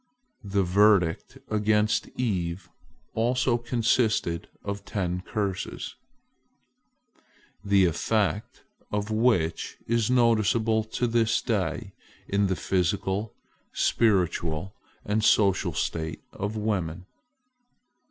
The verdict against Eve also consisted of ten curses, the effect of which is noticeable to this day in the physical, spiritual, and social state of woman.